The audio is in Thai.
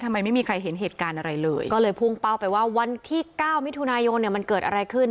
ไม่มีใครเห็นเหตุการณ์อะไรเลยก็เลยพุ่งเป้าไปว่าวันที่เก้ามิถุนายนเนี่ยมันเกิดอะไรขึ้น